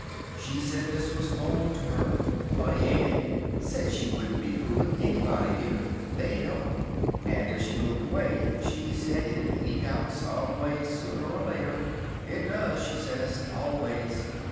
She said this was home to her. Funny ain't it? Said she wouldn't be fooling anybody here. They know her. And if she moved away, she said, it'd leak out some way sooner or later. It does, she said. Always!